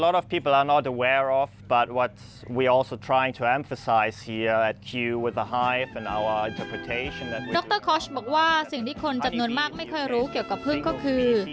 รคอชบอกว่าสิ่งที่คนจำนวนมากไม่เคยรู้เกี่ยวกับพึ่งก็คือ